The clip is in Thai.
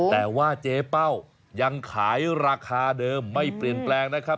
แต่ว่าเจ๊เป้ายังขายราคาเดิมไม่เปลี่ยนแปลงนะครับ